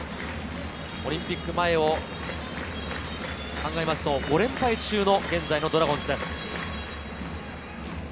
オリンピック前を考えると５連敗中の現在のドラゴンズです。